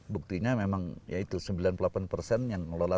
buktinya memang sembilan puluh delapan persen yang melola